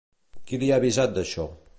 Qui li ha avisat d'això?